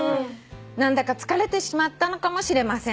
「何だか疲れてしまったのかもしれません」